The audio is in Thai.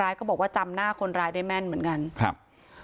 ก็บอกว่าจำหน้าคนร้ายได้แม่นเหมือนกันครับ